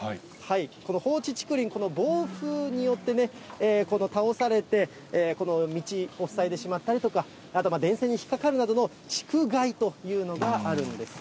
この放置竹林、暴風によってね、倒されて、道を塞いでしまったりとか、あと電線に引っ掛かるなどの竹害というのがあるんです。